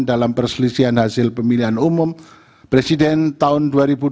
dalam perselisihan hasil pemilihan umum presiden tahun dua ribu dua puluh